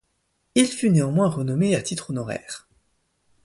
Il fut néanmoins renommé à titre honoraire.